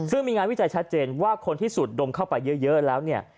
ซึ่งมีงานวิจัยชัดเจนว่าคนที่สูดดมเข้าไปเยอะแล้วเนี่ย